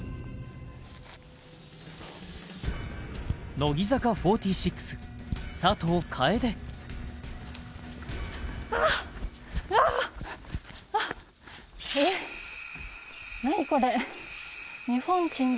乃木坂４６・佐藤楓えっ何これ？